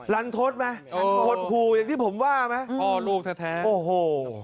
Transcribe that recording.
รันทดไหมหดหูอย่างที่ผมว่าไหมโอ้โห